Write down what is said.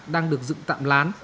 đang được dựng tạm lán